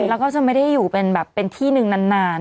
แล้วก็จะไม่ได้อยู่เป็นแบบเป็นที่หนึ่งนาน